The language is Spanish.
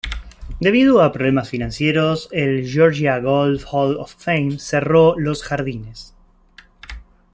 Debido a problemas financieros, el "Georgia Golf Hall of Fame" cerró los jardines.